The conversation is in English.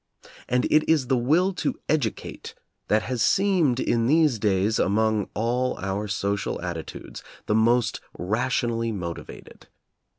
And it is the will to educate that has seemed, in these days, among all our social atti tudes the most rationally motivated.